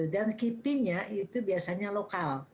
dan kipinya itu biasanya lokal